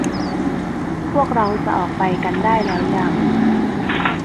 พวกเราจะออกไปกันได้แล้วยัง